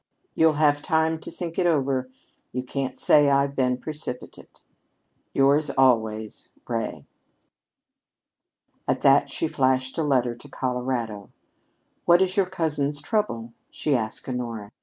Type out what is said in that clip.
"You'll have time to think it over. You can't say I've been precipitate. "Yours always, "RAY." At that she flashed a letter to Colorado. "What is your cousin's trouble?" she asked Honora.